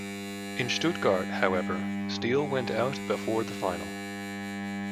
In Stuttgart, however, Steele went out before the final.